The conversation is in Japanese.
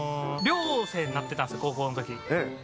寮生になってたんですよ、高校のとき。